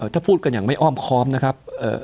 ถ้าพูดกันอย่างไม่อ้อมค้อมนะครับ